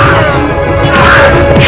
eh pak pak pak